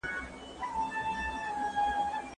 د حقونو څیړنه د اسلام په رڼا کي کیږي.